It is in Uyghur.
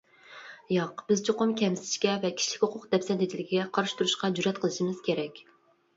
ياق، بىز چوقۇم كەمسىتىشكە ۋە كىشىلىك ھوقۇق دەپسەندىچىلىكىگە قارشى تۇرۇشقا جۈرئەت قىلىشىمىز كېرەك!